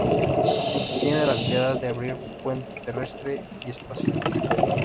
Tiene la habilidad de abrir puentes terrestres y espaciales.